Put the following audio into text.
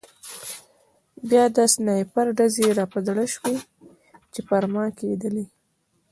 بیا د سنایپر ډزې را په زړه شوې چې پر ما کېدلې